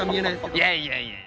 いやいやいや。